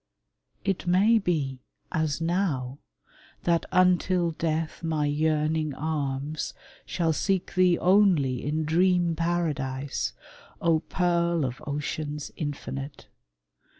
It may be, As now, that until death my yearning arms Shall seek thee only in dream paradise, O pearl of oceans infinite!